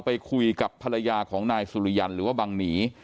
ไปคุยกับภรรยาของนายสุริยันหรือว่าบังหนี